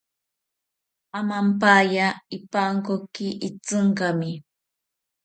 Amampaya ipankoki Itzinkami